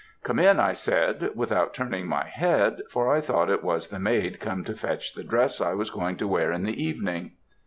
"'Come in,' I said, without turning my head, for I thought it was the maid come to fetch the dress I was going to wear in the evening.